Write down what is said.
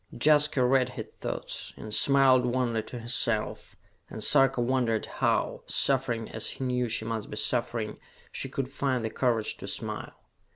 Jaska read his thoughts, and smiled wanly to herself, and Sarka wondered how, suffering as he knew she must be suffering, she could find the courage to smile.